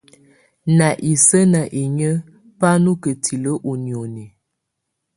Ná isǝ́ ná inyǝ́ bá nɔ kǝ́tilǝ́ i nioni.